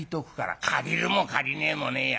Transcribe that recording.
「借りるも借りねえもねえや。